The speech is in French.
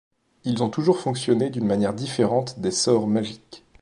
Ils ont toujours fonctionné d'une manière différente des sorts magiques.